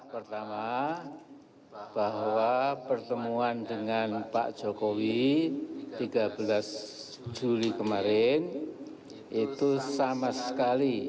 pertama bahwa pertemuan dengan pak jokowi tiga belas juli kemarin itu sama sekali